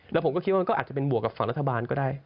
แล้วผมก็คิดว่ามันก็อาจจะเป็นบวกกับฝั่งรัฐบาลก็ได้